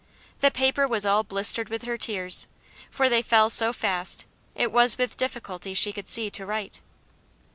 The paper was all blistered with her tears, for they fell so fast it was with difficulty she could see to write.